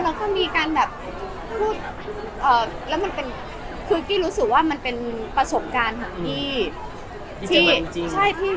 แล้วก็มีการแบบพูดแล้วมันเป็นคือกี้รู้สึกว่ามันเป็นประสบการณ์ของกี้